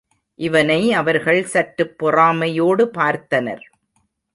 இவனை அவர்கள் சற்றுப் பொறாமையோடு பார்த்தனர்.